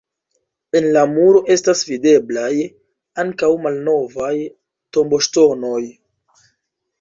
En la muro estas videblaj ankaŭ malnovaj tomboŝtonoj.